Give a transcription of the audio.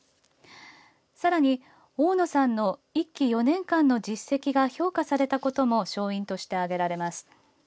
さらに大野さんの１期４年間の実績が評価されたことも勝因として挙げられます。